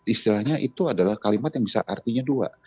istilahnya itu adalah kalimat yang bisa artinya dua